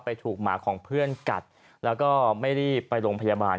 ถูกหมาของเพื่อนกัดแล้วก็ไม่รีบไปโรงพยาบาล